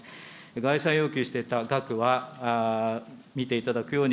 概算要求してた額は、見ていただくように、